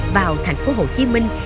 vào thành phố hồ chí minh